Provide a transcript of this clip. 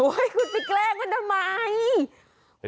โอ้ยคุณไปแกล้งมันทำไม